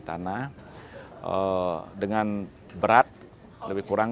untuk membuatnya untuk orang orang yang berada di luar negara ini